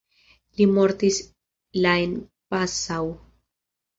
Li mortis la en Passau.